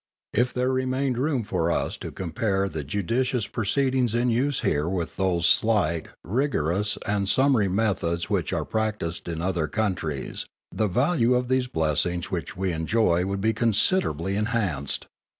If there remained room for us to compare the judicious proceedings in use here with those slight, rigorous and summary methods which are practised in other countries, the value of these blessings which we enjoy would be considerably enhanced.